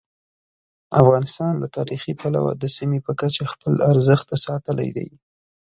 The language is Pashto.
افغانستان له تاریخي پلوه د سیمې په کچه خپل ارزښت ساتلی دی.